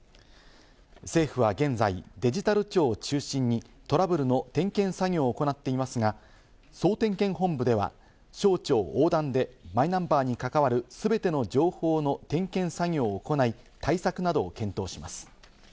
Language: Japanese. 政府は現在、デジタル庁を中心にトラブルの点検作業を行っていますが、総点検本部では省庁横断でマイナンバーに関わる全ての情報の点検作業を行い、対策などを検討します。